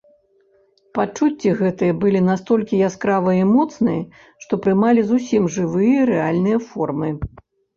Пачуцці гэтыя былі настолькі яскравыя і моцныя, што прымалі зусім жывыя рэальныя формы.